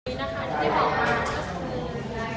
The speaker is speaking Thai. ตรงนี้นะคะที่บอกมาก็คือ